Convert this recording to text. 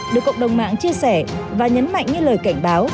được cộng đồng mạng chia sẻ và nhấn mạnh như lời cảnh báo